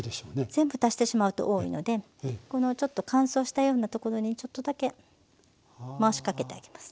全部足してしまうと多いのでこのちょっと乾燥したようなところにちょっとだけ回しかけてあげます。